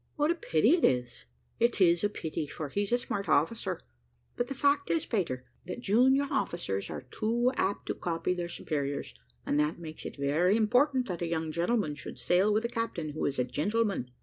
"What a pity it is!" "It is a pity, for he's a smart officer; but the fact is, Peter, that junior officers are too apt to copy their superiors, and that makes it very important that a young gentleman should sail with a captain who is a gentleman.